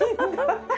ハハハ。